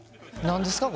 何ですか？